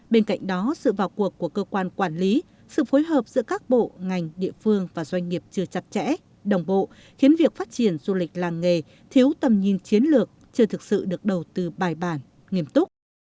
bên cạnh đó sự vào cuộc của cơ quan quản lý sự phối hợp giữa các bộ ngành địa phương và doanh nghiệp chưa chặt chẽ đồng bộ khiến việc phát triển du lịch làng nghề thiếu tầm nhìn chiến lược chưa thực sự được đầu tư bài bản nghiêm túc